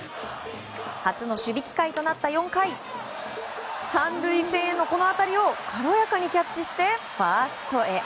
初の守備機会となった４回３塁線へのこの当たりを軽やかにキャッチしてファーストへ。